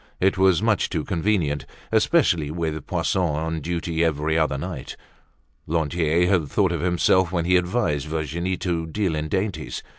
It was much too convenient, especially with Poisson on duty every other night. Lantier had thought of himself when he advised Virginie to deal in dainties.